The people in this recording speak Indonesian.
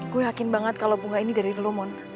gue yakin banget kalo bunga ini dari lu mon